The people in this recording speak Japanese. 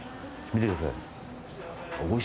見てください。